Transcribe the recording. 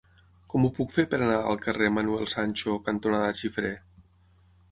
Com ho puc fer per anar al carrer Manuel Sancho cantonada Xifré?